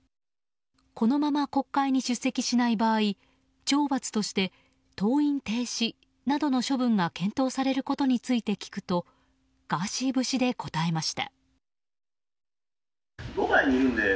このまま国会に出席しない場合懲罰として登院停止などの処分が検討されることについて聞くとガーシー節で答えました。